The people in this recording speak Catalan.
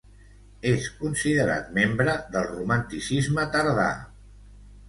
És considerat membre del romanticisme tardà.